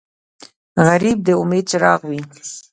غریب د امید څراغ وي